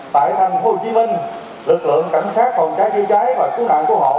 tại thành phố hồ chí minh lực lượng cảnh sát phòng trái chữa trái và cứu nạn cứu hộ